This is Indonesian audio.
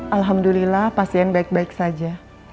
alhamdulillah pasien baik baik saja